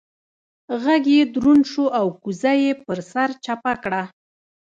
غږ يې دروند شو او کوزه يې پر سر چپه کړه.